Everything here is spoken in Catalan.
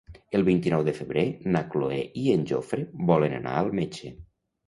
El vint-i-nou de febrer na Cloè i en Jofre volen anar al metge.